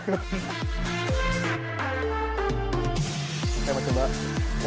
bahkan tadi setnya langsung kalah dua set langsung